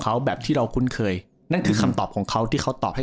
เขาแบบที่เราคุ้นเคยนั่นคือคำตอบของเขาที่เขาตอบให้